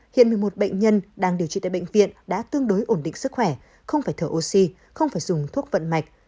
hiện một mươi một bệnh nhân đang điều trị tại bệnh viện đã tương đối ổn định sức khỏe không phải thở oxy không phải dùng thuốc vận mạch